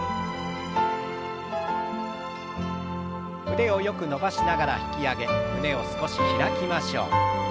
腕をよく伸ばしながら引き上げ胸を少し開きましょう。